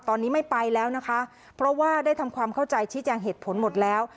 ตอนนี้ไม่ไปแล้วนะคะเพราะว่าได้ทำความเข้าใจชี้แจงเหตุผลหมดแล้ว